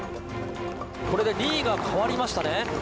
これで２位が変わりましたね。